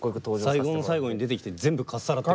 最後の最後に出てきて全部かっさらってた。